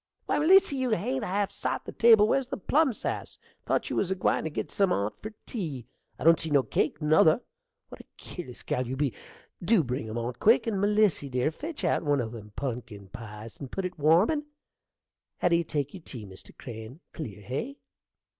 Why, Melissy, you hain't half sot the table: where's the plum sass? thought you was a gwine to git some on't for tea? I don't see no cake, nother. What a keerless gal you be! Dew bring 'em on quick; and, Melissy, dear, fetch out one o' them are punkin pies and put it warmin'. How do you take your tea, Mr. Crane? clear, hey?